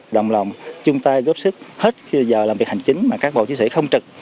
đồng lòng chung tay góp sức hết khi giờ làm việc hành chính mà các bộ chiến sĩ không trực